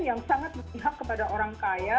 yang sangat memihak kepada orang kaya